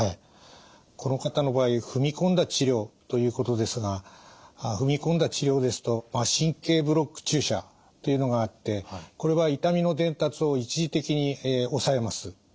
この方の場合「踏み込んだ治療」ということですが「踏み込んだ治療」ですと神経ブロック注射というのがあってこれは痛みの伝達を一時的に抑えます。